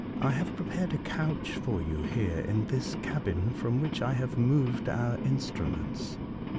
I have prepared a couch for you here in this cabin, from which I have moved our instruments."